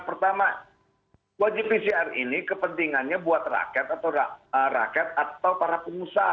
pertama wajib pcr ini kepentingannya buat rakyat atau rakyat atau para pengusaha